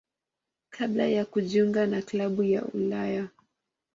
kabla ya kujiunga na klabu ya Ulaya.